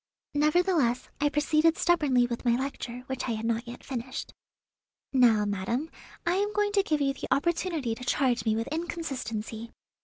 Nevertheless, I proceeded stubbornly with my lecture, which I had not yet finished. "Now, madam, I am going to give you the opportunity to charge me with inconsistency.